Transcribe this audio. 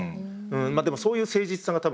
まあでもそういう誠実さが多分